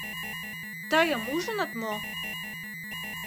— Тыйым ужыныт мо?